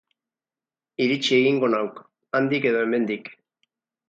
Iritsi egingo nauk, handik edo hemendik!